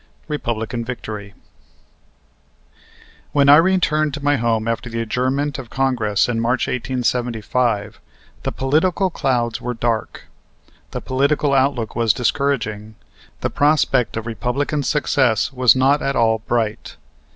REPUBLICAN VICTORY When I returned to my home after the adjournment of Congress in March, 1875, the political clouds were dark. The political outlook was discouraging. The prospect of Republican success was not at all bright.